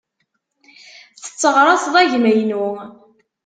Tetteɣraṣeḍ agma-inu.